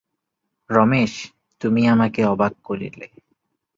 রমেশ, তুমি আমাকে অবাক করিলে।